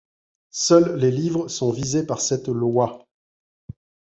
Seuls les livres sont visés par cette loi.